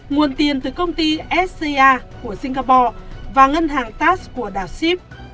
nguồn tiền từ công ty sca của singapore và ngân hàng tass của đảo sip